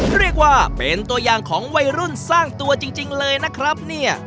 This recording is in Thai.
เรียกว่าเป็นตัวอย่างของวัยรุ่นสร้างตัวจริงเลยนะครับเนี่ย